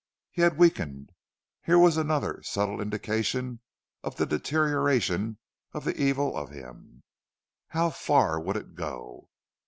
He had weakened. Here was another subtle indication of the deterioration of the evil of him. How far would it go?